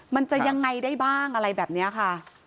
มันจะยังไงได้บ้างอะไรแบบนี้ค่ะ